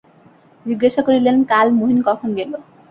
জিজ্ঞাসা করিলেন, কাল মহিন কখন গেল।